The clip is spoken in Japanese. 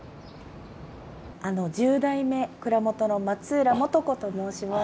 １０代目蔵元の松浦素子と申します。